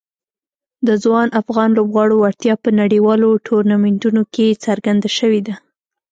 د ځوان افغان لوبغاړو وړتیا په نړیوالو ټورنمنټونو کې څرګنده شوې ده.